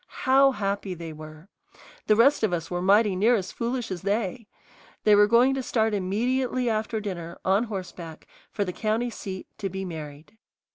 How happy they were! The rest of us were mighty near as foolish as they. They were going to start immediately after dinner, on horseback, for the county seat, to be married.